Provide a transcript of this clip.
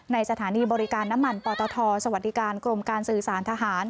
สถานีบริการน้ำมันปตทสวัสดิการกรมการสื่อสารทหาร